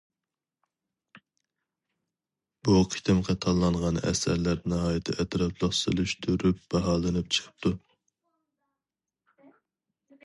بۇ قېتىمقى تاللانغان ئەسەرلەر ناھايىتى ئەتراپلىق سېلىشتۇرۇپ باھالىنىپ چىقىپتۇ.